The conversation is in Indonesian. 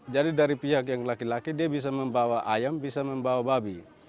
jadi dari pihak yang laki laki dia bisa membawa ayam bisa membawa babi